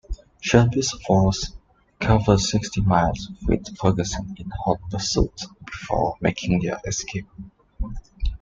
Shelby's forces covered sixty miles with Ferguson in hot pursuit before making their escape.